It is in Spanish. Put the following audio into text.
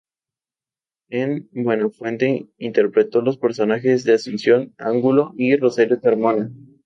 En "Buenafuente" interpretó los personajes de Asunción Angulo y Rosario Carmona.